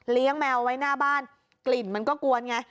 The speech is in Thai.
แมวไว้หน้าบ้านกลิ่นมันก็กวนไง